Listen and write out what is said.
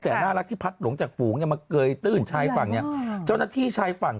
แต่น่ารักที่พัดหลงจากฝูงเนี่ยมาเกยตื้นชายฝั่งเนี่ยเจ้าหน้าที่ชายฝั่ง